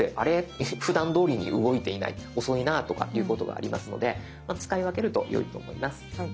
ふだん通りに動いていない遅いなとかいうことがありますので使い分けるとよいと思います。